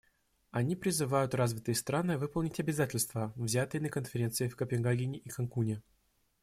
Они призывают развитые страны выполнить обязательства, взятые на конференциях в Копенгагене и Канкуне.